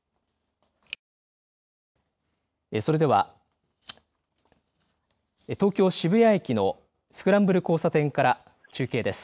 それでは東京渋谷駅のスクランブル交差点から中継です。